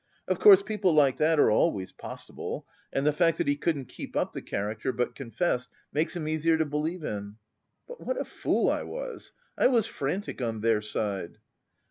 Of course people like that are always possible. And the fact that he couldn't keep up the character, but confessed, makes him easier to believe in. But what a fool I was! I was frantic on their side!"